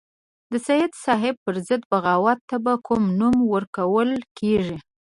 د سید صاحب پر ضد بغاوت ته به کوم نوم ورکول کېږي.